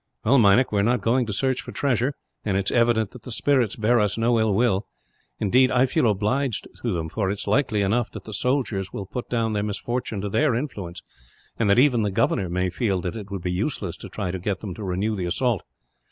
"Well, Meinik, we are not going to search for the treasure; and it is evident that the spirits bear us no ill will; indeed, I feel obliged to them, for it is likely enough that the soldiers will put down their misfortune to their influence, and that even the governor may feel that it would be useless to try to get them to renew the assault.